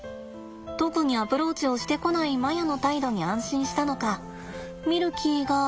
特にアプローチをしてこないマヤの態度に安心したのかミルキーが。